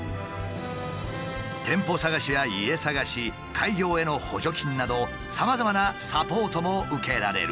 店舗探しや家探し開業への補助金などさまざまなサポートも受けられる。